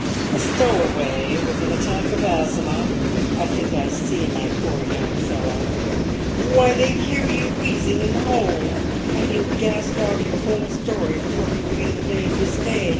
"A stowaway with an attack of asthma! I think I see my poor young fellow! Why, they'd hear you wheezing in the hold, and you'd gasp out your whole story before you were in the Bay of Biscay!